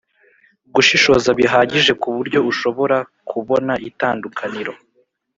gushishoza bihagije ku buryo ushobora kubona itandukaniro